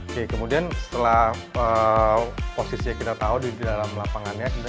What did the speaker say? oke kemudian setelah posisi yang kita tahu di dalam lapangannya